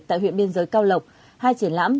tại huyện biên giới cao lộc hai triển lãm